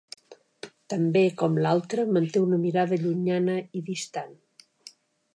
També, com l'altre, manté una mirada llunyana i distant.